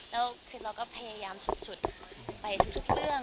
แล้วคือเราก็พยายามสุดไปทุกเรื่อง